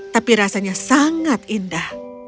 tapi rasanya sangat indah